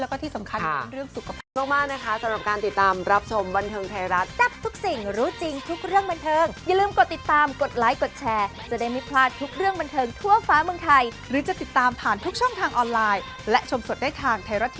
แล้วก็ที่สำคัญก็คือเรื่องสุขกระพันธ์